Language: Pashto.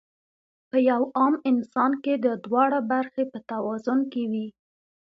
پۀ يو عام انسان کې دا دواړه برخې پۀ توازن کې وي -